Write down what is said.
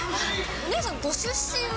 お姉さん、ご出身は？